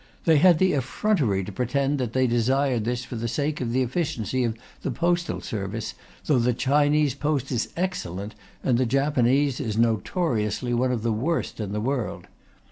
They had the effrontery to pretend that they desired this for the sake of the efficiency of the postal service, though the Chinese post is excellent and the Japanese is notoriously one of the worst in the world.